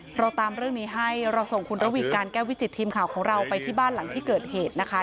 เราตามเรื่องนี้ให้เราส่งคุณระวีการแก้ววิจิตทีมข่าวของเราไปที่บ้านหลังที่เกิดเหตุนะคะ